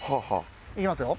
いきますよ。